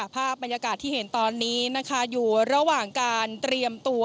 ภาพบรรยากาศที่เห็นตอนนี้นะคะอยู่ระหว่างการเตรียมตัว